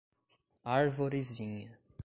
Arvorezinha